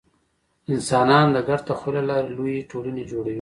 انسانان د ګډ تخیل له لارې لویې ټولنې جوړوي.